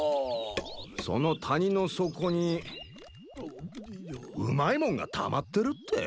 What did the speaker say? その谷の底にうまいもんがたまってるって？